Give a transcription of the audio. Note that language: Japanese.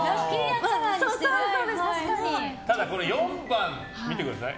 ただ、４番見てください。